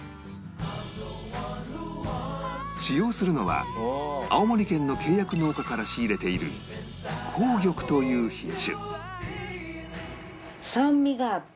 使用するのは青森県の契約農家から仕入れている紅玉という品種